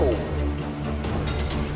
untuk mewujudkan cita cita saudaraku